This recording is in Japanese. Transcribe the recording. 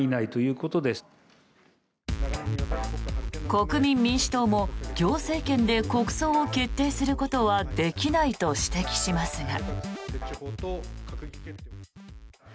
国民民主党も行政権で国葬を決定することはできないと指摘しますが。